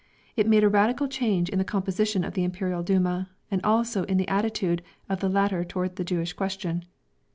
It made a radical change in the composition of the Imperial Duma and also in the attitude of the latter toward the Jewish question.